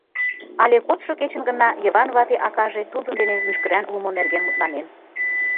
Але кодшо кечын гына Йыван вате акаже тудын дене мӱшкыран улмо нерген мутланен.